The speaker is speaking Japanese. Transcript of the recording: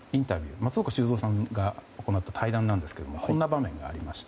松岡修造さんが行った対談でこんな場面がありました。